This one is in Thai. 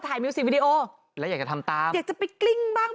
มิวสิกวิดีโอแล้วอยากจะทำตามอยากจะไปกลิ้งบ้าง